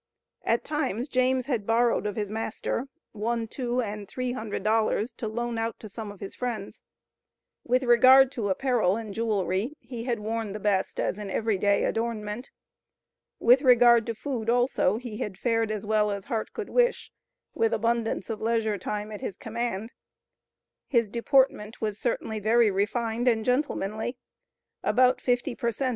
At times, James had borrowed of his master, one, two, and three hundred dollars, to loan out to some of his friends. With regard to apparel and jewelry, he had worn the best, as an every day adornment. With regard to food also, he had fared as well as heart could wish, with abundance of leisure time at his command. His deportment was certainly very refined and gentlemanly. About fifty per cent.